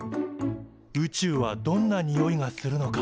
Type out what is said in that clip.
「宇宙はどんなにおいがするのか？」。